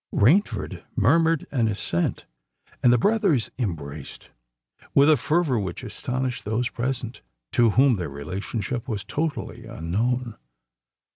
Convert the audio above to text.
Rainford murmured an assent; and the brothers embraced with a fervour which astonished those present, to whom their relationship was totally unknown.